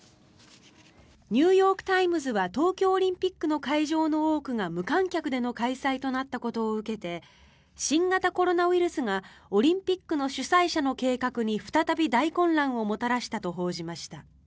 ニューヨーク・タイムズは東京オリンピックの会場の多くが無観客での開催となったことを受けて新型コロナウイルスがオリンピックの主催者の計画に再び大混乱をもたらしたと報じました。